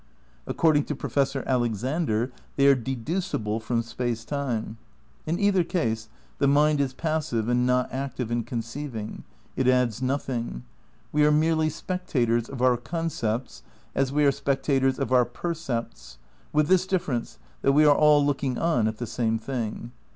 According to Professor Alexander they are dedudble from space time. In either case the mind is passive and not active in conceiving; it adds nothing. We are merely spec tators of our concepts as we" are spectators of our per cepts ; with this difference, that we are aU looking on at the same thing.